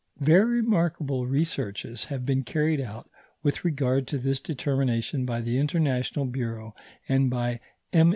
Very remarkable researches have been carried out with regard to this determination by the International Bureau, and by MM.